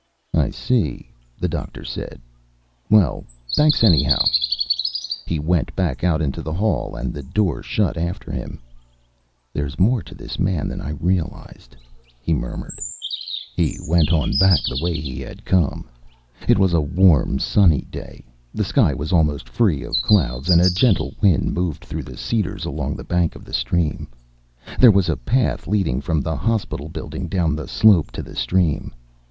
"I see," the Doctor said. "Well, thanks anyhow." He went back out into the hall and the door shut after him. "There's more to this than I realized," he murmured. He went on back the way he had come. It was a warm sunny day. The sky was almost free of clouds and a gentle wind moved through the cedars along the bank of the stream. There was a path leading from the hospital building down the slope to the stream.